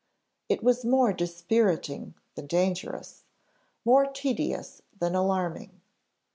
It was more dispiriting than dangerous more tedious than alarming.